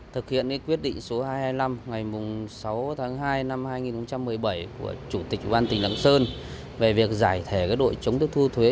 thực hiện quyết định số hai trăm hai mươi năm ngày sáu tháng hai năm hai nghìn một mươi bảy của chủ tịch ủy ban tỉnh lạng sơn về việc giải thể đội chống thất thu thuế